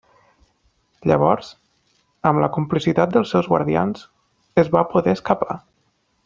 Llavors, amb la complicitat dels seus guardians, es va poder escapar.